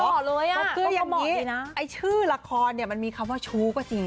ก็คืออย่างนี้ชื่อละครเนี่ยมันมีคำว่าชูกว่าจริง